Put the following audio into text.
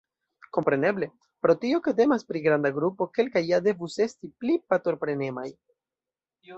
Kompreneble, pro tio, ke temas pri granda grupo, kelkaj ja devus esti pli partoprenemaj.